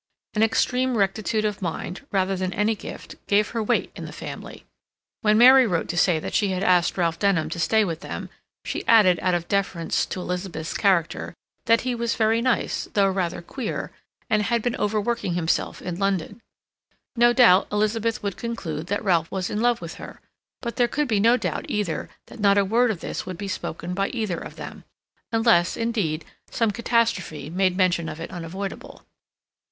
An extreme rectitude of mind, rather than any gift, gave her weight in the family. When Mary wrote to say that she had asked Ralph Denham to stay with them, she added, out of deference to Elizabeth's character, that he was very nice, though rather queer, and had been overworking himself in London. No doubt Elizabeth would conclude that Ralph was in love with her, but there could be no doubt either that not a word of this would be spoken by either of them, unless, indeed, some catastrophe made mention of it unavoidable.